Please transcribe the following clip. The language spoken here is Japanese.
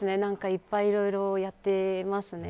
いっぱい、いろいろやってますね。